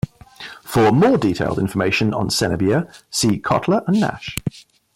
For more detailed information on Senebier, see Kottler and Nash.